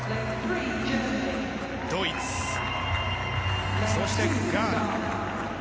ドイツ、そしてガーナ。